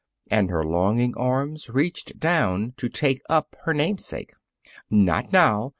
And her longing arms reached down to take up her namesake. "Not now!"